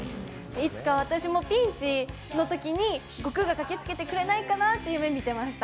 いつか私もピンチのときに悟空が駆けつけてくれないかなと夢見ていました。